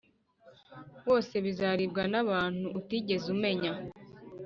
wose bizaribwa n’abantu utigeze umenya.